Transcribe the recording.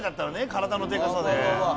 体のでかさで。